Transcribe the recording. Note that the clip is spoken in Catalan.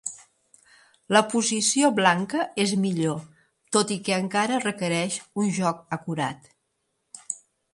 La posició blanca és millor, tot i que encara requereix un joc acurat.